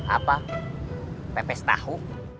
apa pepes tahu